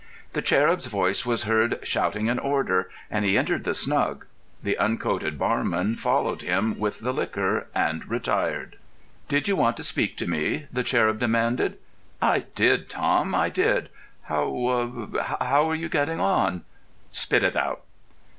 The cherub's voice was heard shouting an order, and he entered the snug. The uncoated barman followed him with the liquor, and retired. "Did you want to speak to me?" the cherub demanded. "I did, Tom, I did. How—how are you getting on?" "Spit it out."